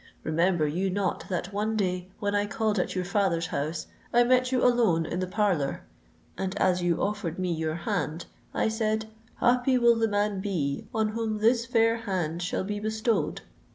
Remember you not that, one day when I called at your father's house, I met you alone in the parlour; and as you offered me your hand, I said, '_Happy will the man be on whom this fair hand shall be bestowed!